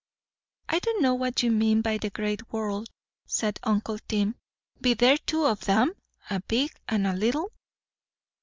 "I don't know what you mean by the great world," said uncle Tim. "Be there two on 'em a big and a little?"